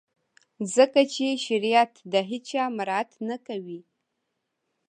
ځکه چي شریعت د هیڅ چا مراعات نه کوي.